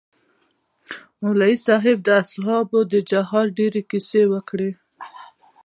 مولوي صاحب د اصحابو د جهاد ډېرې کيسې وکړې.